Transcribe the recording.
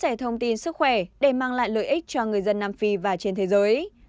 chia sẻ thông tin sức khỏe để mang lại lợi ích cho người dân nam phi và trên thế giới